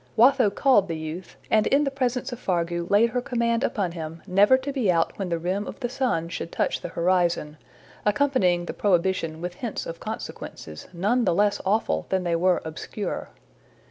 Watho called the youth, and in the presence of Fargu laid her command upon him never to be out when the rim of the sun should touch the horizon, accompanying the prohibition with hints of consequences, none the less awful than they were obscure.